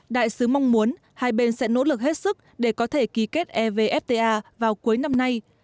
đại sứ mong muốn hai bên sẽ nỗ lực hết sức để có thể ký kết evfta vào cuối năm nay